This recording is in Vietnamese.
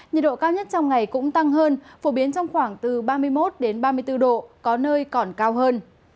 nhiệt độ cao nhất trong ngày cũng tăng hơn phổ biến trong khoảng từ ba mươi một ba mươi bốn độ có nơi còn cao hơn